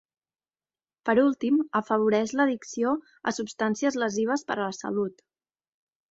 Per últim, afavoreix l'addicció a substàncies lesives per a la salut.